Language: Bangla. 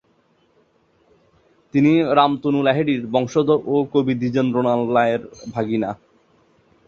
তিনি রামতনু লাহিড়ীর বংশধর ও কবি দ্বিজেন্দ্রলাল রায়ের ভাগিনা।